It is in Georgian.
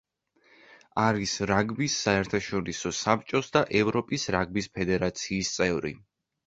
არის რაგბის საერთაშორისო საბჭოს და ევროპის რაგბის ფედერაციის წევრი.